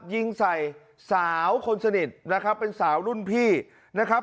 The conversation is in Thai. ยิงใส่สาวคนสนิทนะครับเป็นสาวรุ่นพี่นะครับ